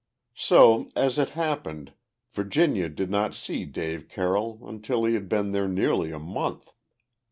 So, as it happened, Virginia did not see Dave Carroll until he had been there nearly a month.